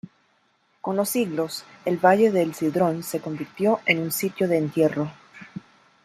Con los siglos el valle de Cedrón se convirtió en un sitio de entierro.